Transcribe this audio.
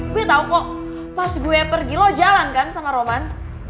gue tau kok pas gue pergi lo jalan kan sama roman